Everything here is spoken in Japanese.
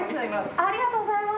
ありがとうございます。